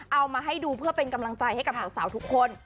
เอามาให้ดูเพื่อเป็นกำลังใจให้กับสาวทุกคน